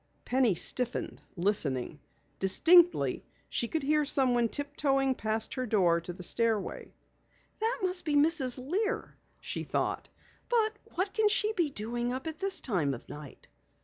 Penny stiffened, listening. Distinctly, she could hear someone tiptoeing past her door to the stairway. "That must be Mrs. Lear," she thought. "But what can she be doing up at this time of night?"